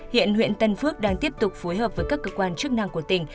hiện huyện tân phước đang tiếp tục phối hợp với các cơ quan chức năng của tỉnh